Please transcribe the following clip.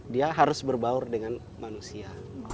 dia harus berbaur dengan manusia